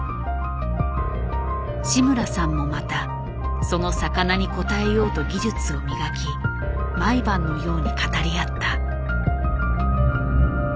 志村さんもまたその魚に応えようと技術を磨き毎晩のように語り合った。